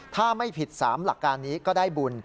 ถ้าไม่ผิด๓หลักการนี้ก็ได้บุญ